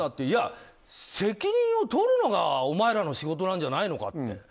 いや責任を取るのがお前らの仕事なんじゃないのかって。